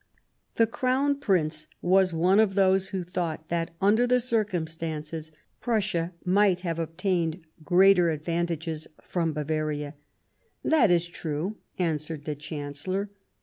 The Crown Prince was one of those who thought that, under the circumstances, Prussia might have obtained greater advantages from Bavaria. " That is true," answered the Chancellor.